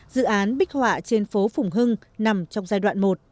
dự án bích họa trên phố phùng hưng nằm trong giai đoạn một